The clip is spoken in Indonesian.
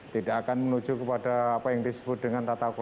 tidak akan menuju kepada apa yang disebut dengan tata kelola